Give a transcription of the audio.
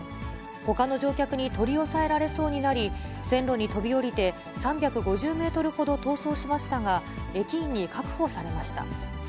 ほかの乗客に取り押さえられそうになり、線路に飛び降りて、３５０メートルほど逃走しましたが、駅員に確保されました。